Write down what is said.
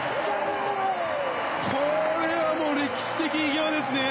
これは歴史的偉業ですね。